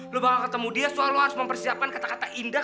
lo bakal ketemu dia selalu harus mempersiapkan kata kata indah